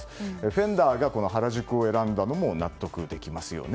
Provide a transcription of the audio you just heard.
フェンダーが原宿を選んだのも納得できますよね。